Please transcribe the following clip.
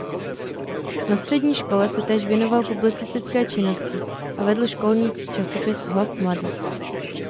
Na střední škole se též věnoval publicistické činnosti a vedl školní časopis Hlas mladých.